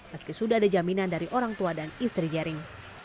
meski sudah ada jaminan dari orang tua dan istri jering